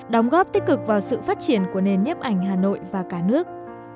đóng góp tích cực vào sự phát triển của nền nhếp ảnh hà nội và cả nước